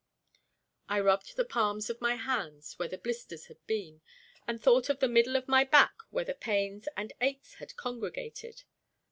I rubbed the palms of my hands where the blisters had been, and thought of the middle of my back where the pains and aches had congregated.